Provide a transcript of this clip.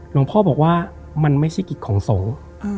หลวงพ่อบอกว่ามันไม่ใช่กิจของสงฆ์